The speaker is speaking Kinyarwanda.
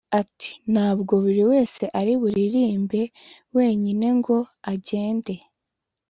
Ati "Ntabwo buri wese ari buririmbe wenyine ngo agende